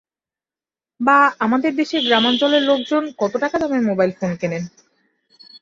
বা আমাদের দেশের গ্রামাঞ্চলের লোকজন কত টাকা দামের মোবাইল ফোন কেনেন?